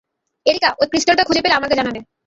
Areca, ঐ ক্রিস্টালটা খুঁজে পেলে আমাকে জানাবে।